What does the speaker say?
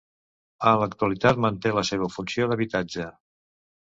En l'actualitat manté la seva funció d'habitatge.